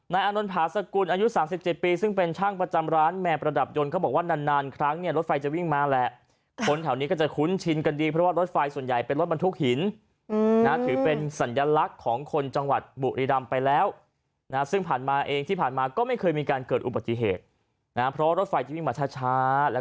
อานนท์ผาสกุลอายุ๓๗ปีซึ่งเป็นช่างประจำร้านแมวประดับยนต์เขาบอกว่านานนานครั้งเนี่ยรถไฟจะวิ่งมาแหละคนแถวนี้ก็จะคุ้นชินกันดีเพราะว่ารถไฟส่วนใหญ่เป็นรถบรรทุกหินนะถือเป็นสัญลักษณ์ของคนจังหวัดบุรีรำไปแล้วนะซึ่งผ่านมาเองที่ผ่านมาก็ไม่เคยมีการเกิดอุบัติเหตุนะเพราะรถไฟจะวิ่งมาช้าแล้ว